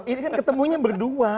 ini kan ketemunya berdua